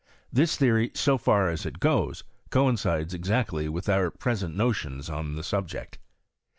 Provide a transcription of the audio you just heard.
This theory, so far as it goes, coincides exactly with our present notions on the subject.